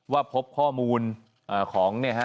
ว่าพบข้อมูลของ